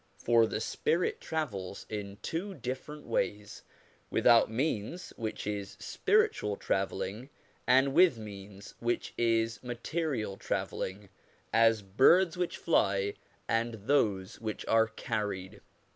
For the spirit travels in two different ways: without means, which is spiritual travelling ; and with means, which is material travelling : as birds which fly, and those which are carried.